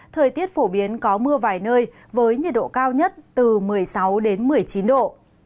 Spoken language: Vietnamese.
thời tiết phổ biến có mưa vài nơi với nhiệt độ cao nhất từ một mươi sáu đến một mươi chín độ